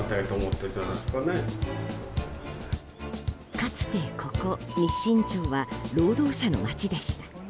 かつて、ここ日進町は労働者の町でした。